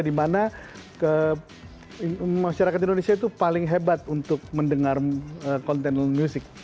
di mana masyarakat indonesia itu paling hebat untuk mendengar kontenel musik